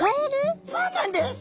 そうなんです。